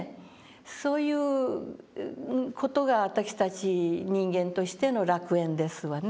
そういう事が私たち人間としての楽園ですわね。